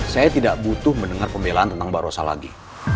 saya tidak butuh mendengar pembelaan tentang mbak rosa lagi